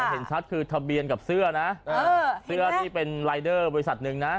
เห็นชัดคือทะเบียนกับเสื้อนะเสื้อที่เป็นรายเดอร์บริษัทหนึ่งนะ